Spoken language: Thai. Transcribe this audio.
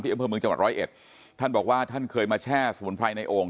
ที่เย้ามือมเครื่องมืองจังหวัด๑๐๑ท่านบอกว่าท่านเคยมาแช่สมุนไพรในโอง